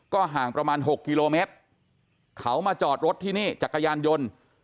ห่างประมาณ๖กิโลเมตรเขามาจอดรถที่นี่จักรยานยนต์